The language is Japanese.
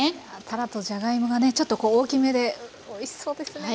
たらとじゃがいもがねちょっと大きめでおいしそうですね